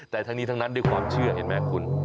แต่ทั้งนี้ทั้งนั้นด้วยความเชื่อเห็นไหมคุณ